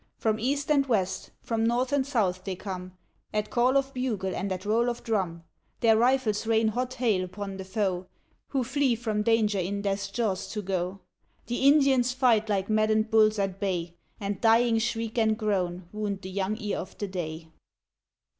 From east and west, from north and south they come, At call of bugle and at roll of drum. Their rifles rain hot hail upon the foe, Who flee from danger in death's jaws to go. The Indians fight like maddened bulls at bay, And dying shriek and groan, wound the young ear of day.